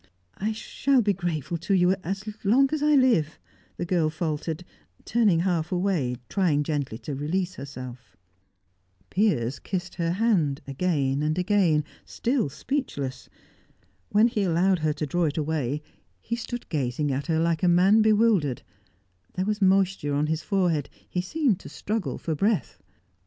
"I shall be grateful to you as long as I live," the girl faltered, turning half away, trying gently to release herself. Piers kissed her hand, again and again, still speechless. When he allowed her to draw it away, he stood gazing at her like a man bewildered; there was moisture on his forehead; he seemed to struggle for breath.